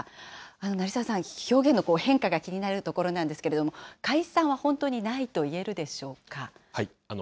成澤さん、表現の変化が気になるところなんですけれども、解散は本当にないと言えるでしょうか。